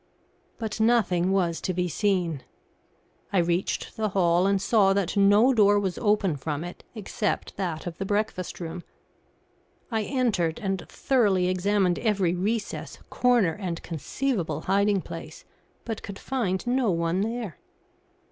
But nothing was to be seen. I reached the hall, and saw that no door was open from it except that of the breakfast room. I entered and thoroughly examined every recess, corner, and conceivable hiding place, but could find no one there.